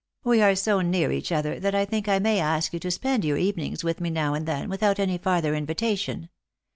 We are so near each other that I think I may ask yon to spend your evenings with me now and then without any farther invitation.